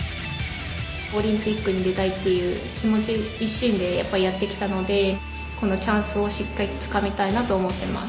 オリンピックに出たいっていう気持ち一心でやってきたのでこのチャンスを、しっかりとつかみたいなと思っています。